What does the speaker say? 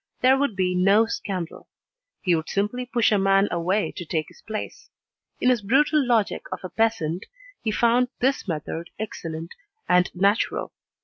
There would be no scandal. He would simply push a man away to take his place. In his brutal logic of a peasant, he found this method excellent and natural.